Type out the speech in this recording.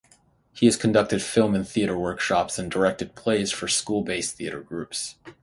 He has conducted film and theater workshops and directed plays for school-based theater groups.